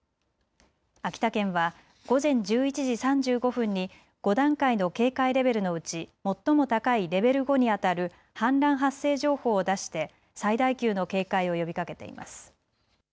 秋田県は午前１１時３５分に５段階の警戒レベルのうち最も高いレベル５にあたる氾濫発生情報を出して最大級の警戒を呼びかけています。